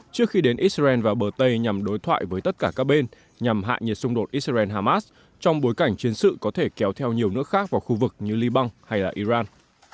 trước khi đến israel vào bờ tây nhằm đối thoại với tất cả các bên nhằm hạ nhiệt xung đột israel hamas trong bối cảnh chiến sự có thể kéo theo nhiều nước khác vào khu vực như liban hay iran